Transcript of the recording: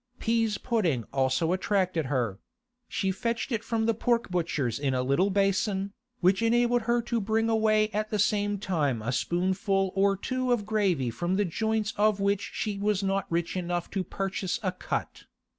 Pease pudding also attracted her; she fetched it from the pork butcher's in a little basin, which enabled her to bring away at the same time a spoonful or two of gravy from the joints of which she was not rich enough to purchase a cut.